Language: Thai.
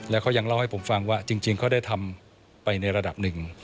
แล้วเขายังเล่าให้ผมฟังว่าจริงเขาได้ทำไปในระดับหนึ่ง